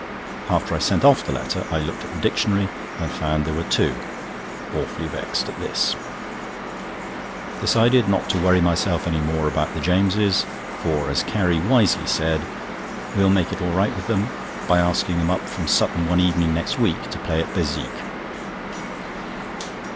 After I sent off the letter I looked at the dictionary and found there were two. Awfully vexed at this. Decided not to worry myself any more about the James's; for, as Carrie wisely said, "We'll make it all right with them by asking them up from Sutton one evening next week to play at Bézique."